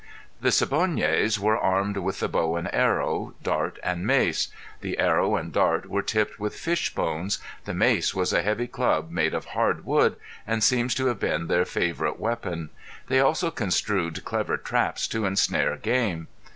The Siboneyes were armed with the bow and arrow, dart and mace; the arrow and dart were tipped with fish bones; the mace was a heavy club made of hardwood and seems to have been their favorite weapon. They also construed clever traps to ensnare game.